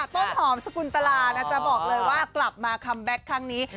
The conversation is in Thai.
ต้นหอมสกุลตลานะจ๊ะบอกเลยว่ากลับมาคัมแบ็คครั้งนี้